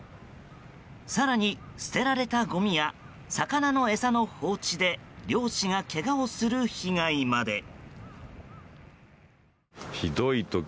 更に、捨てられたごみや魚の餌の放置で漁師がけがをする被害まで。